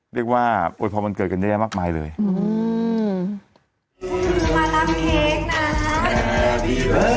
เรียกว่าโอ๊ยพอมันเกิดกันแย่มากมายเลยอื้ออื้อ